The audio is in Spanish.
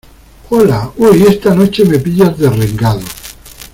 hola. uy, esta noche me pillas derrengado .